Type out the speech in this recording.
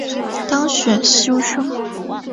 当选修生